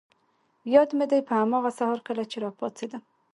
یاد مي دي، په هماغه سهار کله چي راپاڅېدم.